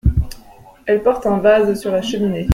Elle porte un vase sur la cheminée.